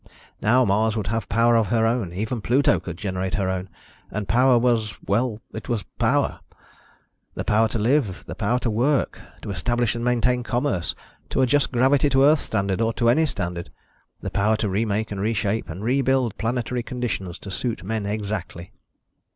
Now Mars would have power of her own. Even Pluto could generate her own. And power was ... well, it was power. The power to live, the power to work, to establish and maintain commerce, to adjust gravity to Earth standard or to any standard. The power to remake and reshape and rebuild planetary conditions to suit man exactly.